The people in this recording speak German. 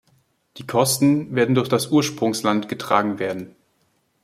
Die Kosten werden durch das Ursprungsland getragen werden.